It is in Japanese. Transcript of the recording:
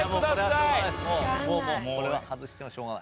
これは外してもしょうがない。